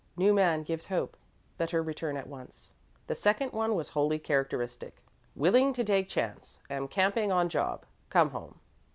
New man gives hope. Better return at once." The second one was wholly characteristic: "Willing to take chance. Am camping on job. Come home."